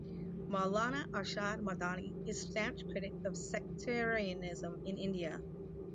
Maulana Arshad Madani is a stanch critic of sectarianism in India.